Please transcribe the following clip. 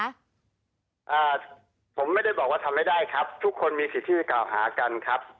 อ่าผมไม่ได้บอกว่าทำไม่ได้ครับทุกคนมีสิทธิ์ที่จะกล่าวหากันครับ